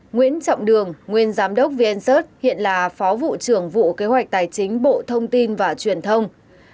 một nguyễn trọng đường nguyên giám đốc vncert hiện là phó vụ trưởng vụ kế hoạch tài chính bộ thông tin và truyền thông